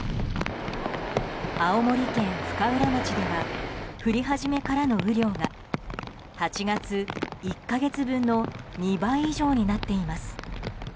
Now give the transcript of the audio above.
青森県深浦町では降り始めからの雨量が８月１か月分の２倍以上になっています。